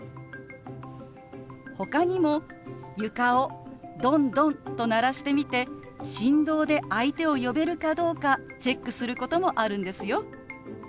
ほかにも床をドンドンと鳴らしてみて振動で相手を呼べるかどうかチェックすることもあるんですよ。